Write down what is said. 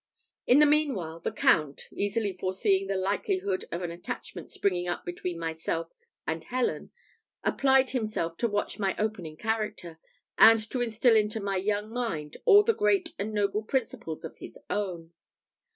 In the meanwhile the Count, easily foreseeing the likelihood of an attachment springing up between myself and Helen, applied himself to watch my opening character, and to instil into my young mind all the great and noble principles of his own.